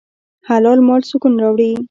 حلال مال سکون راوړي.